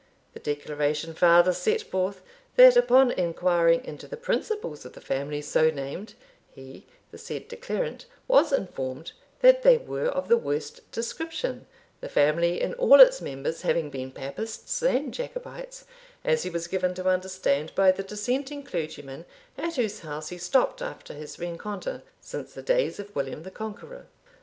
The declaration farther set forth, that upon inquiring into the principles of the family so named, he, the said declarant, was informed that they were of the worst description, the family, in all its members, having been Papists and Jacobites, as he was given to understand by the dissenting clergyman at whose house he stopped after his rencontre, since the days of William the Conqueror.